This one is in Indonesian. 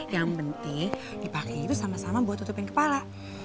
yang penting dipakai itu sama sama buat tutupin kepala